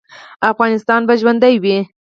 افغانستان به ژوندی وي؟